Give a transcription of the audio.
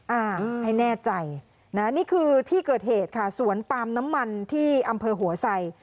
อ่าให้แน่ใจนะนี่คือที่เกิดเหตุค่ะสวนปาล์มน้ำมันที่อำเภอหัวไซ